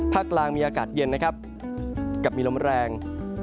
กลางมีอากาศเย็นนะครับกับมีลมแรง